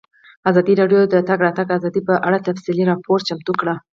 ازادي راډیو د د تګ راتګ ازادي په اړه تفصیلي راپور چمتو کړی.